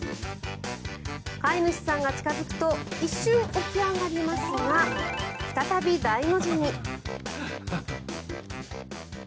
飼い主さんが近付くと一瞬起き上がりますが再び大の字に。